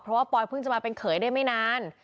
เพราะว่าปอยเพิ่งจะมาเป็นเขยได้ไม่นาน